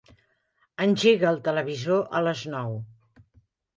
Engega el televisor a les nou.